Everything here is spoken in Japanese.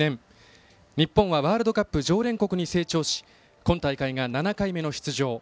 日本はワールドカップ常連国に成長し今大会が７回目の出場。